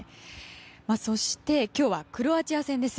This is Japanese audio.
そして今日はクロアチア戦です。